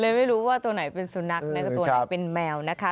ไม่รู้ว่าตัวไหนเป็นสุนัขแล้วก็ตัวไหนเป็นแมวนะคะ